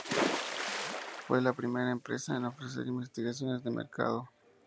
Fue la primera empresa en ofrecer investigaciones de mercado.